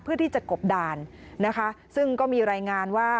เพื่อที่จะกบด่านนะคะซึ่งก็มีรายงานว่า